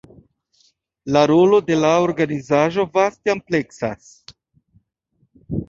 La rolo de la organizaĵo vaste ampleksas.